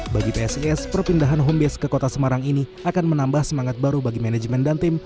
bagi psis perpindahan home base ke kota semarang ini akan menambah semangat baru bagi manajemen dan tim